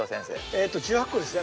えっと１８個ですね。